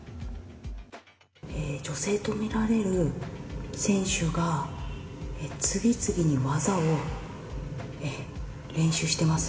女性と見られる選手が、次々に技を練習してます。